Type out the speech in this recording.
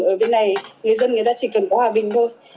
ở bên này người dân người ta chỉ cần có hòa bình thôi